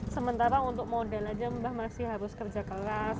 sementara untuk model aja mbah masih harus kerja keras